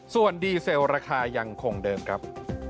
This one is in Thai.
ส่วนดีเซลราคายังคงเดิมครับ